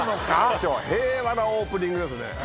きょうは平和なオープニングですね。